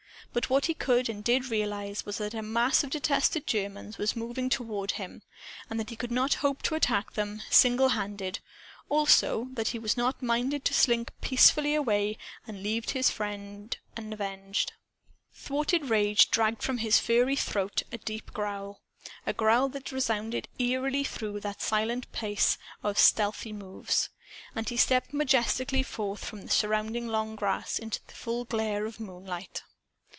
But what he could and did realize was that a mass of detested Germans was moving toward him, and that he could not hope to attack them, single handed; also, that he was not minded to slink peacefully away and leave his friend unavenged. Thwarted rage dragged from his furry throat a deep growl; a growl that resounded eerily through that silent place of stealthy moves. And he stepped majestically forth from the surrounding long grass, into the full glare of moonlight.